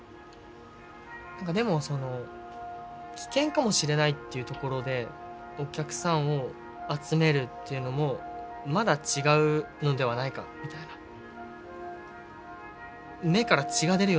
何かでもその危険かもしれないっていうところでお客さんを集めるっていうのもまだ違うのではないかみたいな。ということを言って。